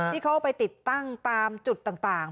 ที่เขาไปติดตั้งตามจุดต่าง